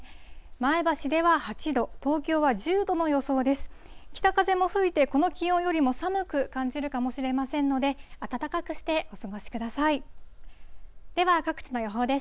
前橋では８度、東京は１０度の予想です。